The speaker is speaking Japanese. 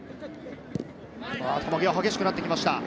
球際激しくなってきました。